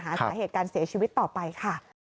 สาเหตุการเสียชีวิตต่อไปค่ะ